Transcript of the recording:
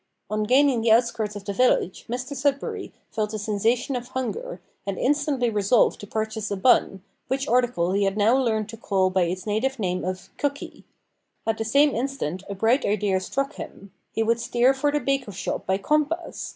On gaining the outskirts of the village, Mr Sudberry felt a sensation of hunger, and instantly resolved to purchase a bun, which article he had now learned to call by its native name of "cookie." At the same instant a bright idea struck him he would steer for the baker's shop by compass!